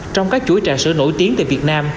trong các chuỗi trà sữa nổi tiếng tại việt nam